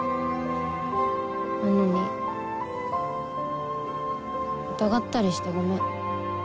なのに疑ったりしてごめん。